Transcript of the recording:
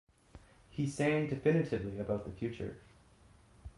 He sang definitively about the future.